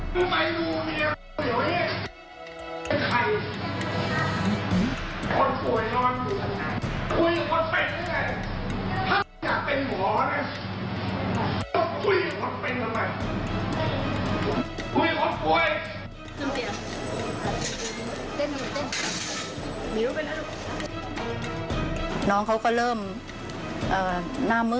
สวัสดีครับ